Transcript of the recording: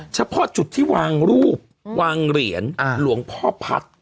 เฉพาะจุดที่วางรูปวางเหรียญหลวงพ่อพัฒน์